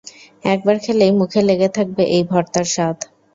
একবার খেলেই মুখে লেগে থাকবে এই ভর্তার স্বাদ।